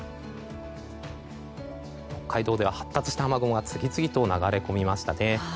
北海道では発達した雨雲が次々と流れ込みました。